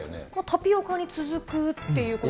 タピオカに続くというね。